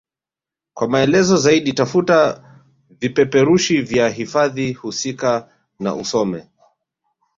Kwa maelezo zaidi tafuta vipeperushi vya hifadhi husika na usome